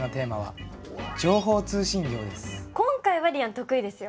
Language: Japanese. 今回はりあん得意ですよ！